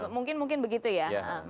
mungkin begitu ya